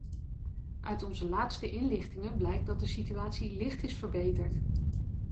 Uit onze laatste inlichtingen blijkt dat de situatie licht is verbeterd.